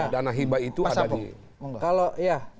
dana hibah itu ada di